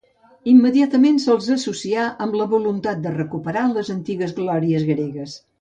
Immediatament se'ls associà amb la voluntat de recuperar les antigues glòries gregues.